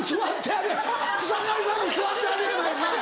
あれや草刈さんも座ってはるやないかい。